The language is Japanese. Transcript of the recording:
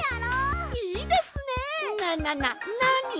ななななに！？